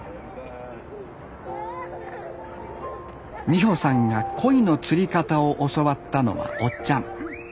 美帆さんがコイの釣り方を教わったのはおっちゃん。